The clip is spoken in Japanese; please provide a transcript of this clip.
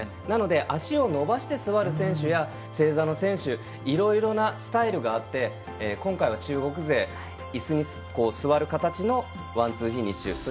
なので、足を伸ばして座る選手や正座の選手などいろいろなスタイルがあって今回は中国勢、いすに座る形のワンツーフィニッシュ。